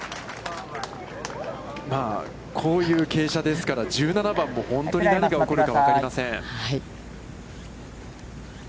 こういう傾斜ですから、１７番も、本当に何が起こるかわかりません。